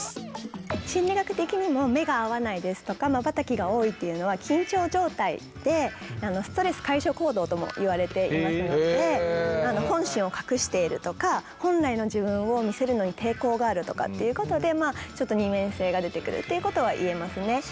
心理学的にも目が合わないですとかまばたきが多いっていうのは緊張状態でストレス解消行動ともいわれていますので本心を隠しているとか本来の自分を見せるのに抵抗があるとかっていうことでちょっと二面性がでてくるっていうことはいえますね。